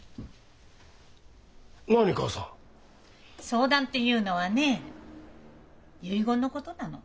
相談っていうのはねえ遺言のことなの。